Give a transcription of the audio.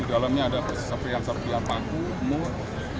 dalamnya ada seperti yang seperti yang pangku mut